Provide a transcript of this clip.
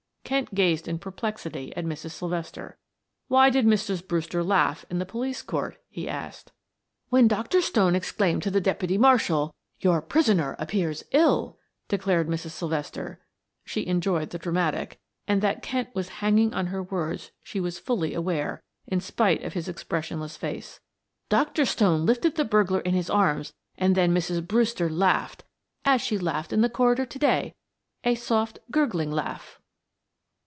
Kent gazed in perplexity at Mrs. Sylvester. "Why did Mrs. Brewster laugh in the police court?" he asked. "When Dr. Stone exclaimed to the deputy marshal 'Your prisoner appears ill!'" declared Mrs. Sylvester; she enjoyed the dramatic, and that Kent was hanging on her words she was fully aware, in spite of his expressionless face. "Dr. Stone lifted the burglar in his arms and then Mrs. Brewster laughed as she laughed in the corridor to day a soft gurgling laugh."